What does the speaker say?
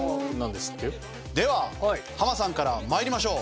ではハマさんから参りましょう。